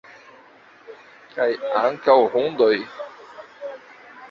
Kaj ankaŭ hundoj?